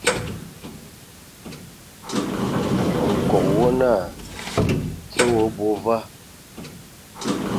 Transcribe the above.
Nkɔg wɔ naa "Dze o abɔ va ?".